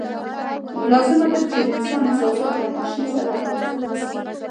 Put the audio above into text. نو لازم ده چې د انسان احساسات له ماشین سره توازن وساتي.